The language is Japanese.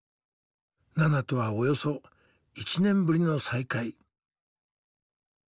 ナナとはおよそ１年ぶりの再会。